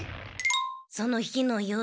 その日の夜。